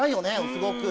すごく。